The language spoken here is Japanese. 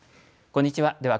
こんにちは。